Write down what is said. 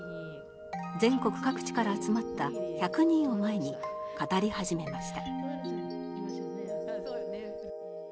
全国各地から集まった１００人を前に語り始めました。